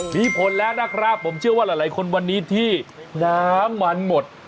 มีผลแล้วนะครับผมเชื่อว่าหลายคนวันนี้ที่น้ำมันหมด